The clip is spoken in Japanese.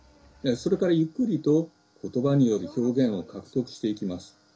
それからゆっくりとことばによる表現を獲得していきます。